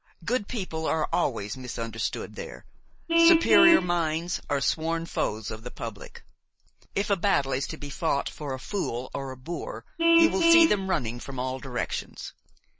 Good people are always misunderstood there, superior minds are sworn foes of the public. If a battle is to be fought for a fool or a boor you will see them running from all directions.